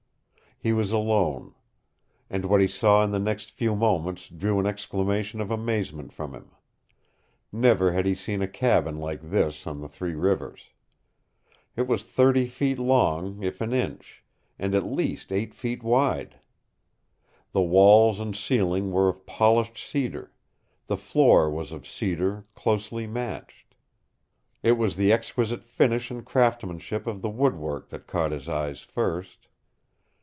He was alone. And what he saw in the next few moments drew an exclamation of amazement from him. Never had he seen a cabin like this on the Three Rivers. It was thirty feet long if an inch, and at least eight feet wide. The walls and ceiling were of polished cedar; the floor was of cedar closely matched. It was the exquisite finish and craftsmanship of the woodwork that caught his eyes first.